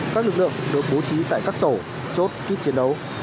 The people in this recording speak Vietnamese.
các lực lượng được bố trí tại các tổ chốt kit chiến đấu